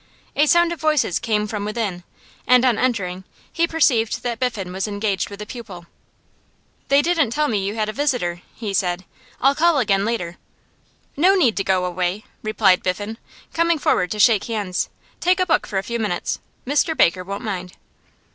A sound of voices came from within, and on entering he perceived that Biffen was engaged with a pupil. 'They didn't tell me you had a visitor,' he said. 'I'll call again later.' 'No need to go away,' replied Biffen, coming forward to shake hands. 'Take a book for a few minutes. Mr Baker won't mind.